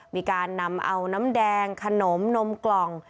มีการนำเอาน้ำแดงขนมนมกล่อง